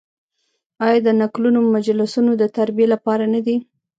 آیا د نکلونو مجلسونه د تربیې لپاره نه دي؟